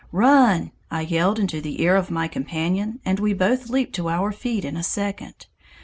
"'Run!' I yelled into the ear of my companion, and we both leaped to our feet in a second.